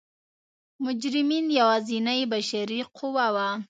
مجرمین یوازینۍ بشري قوه وه.